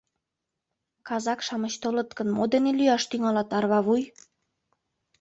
Казак-шамыч толыт гын, мо дене лӱяш тӱҥалат, арва вуй?